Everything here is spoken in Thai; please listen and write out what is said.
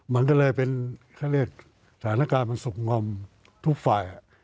มันก็เลยเป็นเขาเรียกสถานการณ์มันสุขงอมทุกฝ่าย